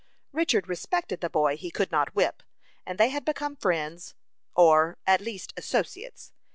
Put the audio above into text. Richard respected the boy he could not whip, and they had become friends, or, at least, associates.